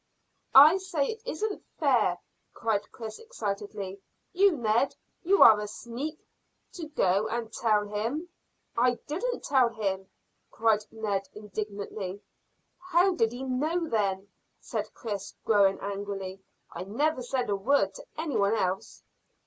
"I say it isn't fair," cried Chris excitedly. "You, Ned, you are a sneak to go and tell him." "I didn't tell him," cried Ned indignantly. "How did he know, then?" said Chris, growing angry. "I never said a word to any one else."